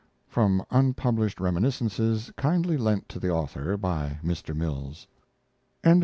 [From unpublished Reminiscences kindly lent to the author by Mr. Mills] LXXIII.